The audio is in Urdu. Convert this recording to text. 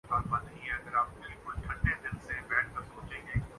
اس گنجان جزیر ے میں جہاں انسان اچار کی طرح ڈبوں میں بند ہے